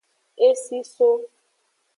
Esi so.